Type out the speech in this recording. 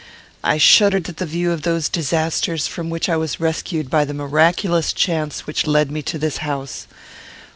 I shuddered at the view of those disasters from which I was rescued by the miraculous chance which led me to this house.